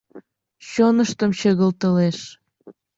Чоныштым чыгылтылеш.